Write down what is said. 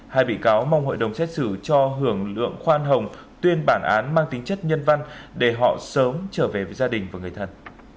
hai bị cáo mong hội đồng xét xử cho hưởng lượng khoan hồng tuyên bản án mang tính chất nhân văn để họ sớm trở về với gia đình và người thân